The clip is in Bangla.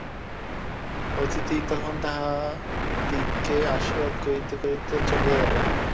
অতিথি তখন তাঁহাদিগকে আশীর্বাদ করিতে করিতে চলিয়া গেলেন।